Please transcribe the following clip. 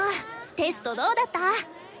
テストどうだった？